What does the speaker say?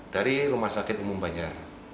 dari rumah sakit umum banjar